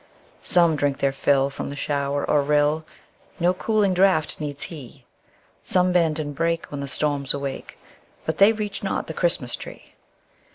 Some drink their fill from the shower or rill; No cooling draught needs he; Some bend and break when the storms awake, But they reach not the Christmas tree.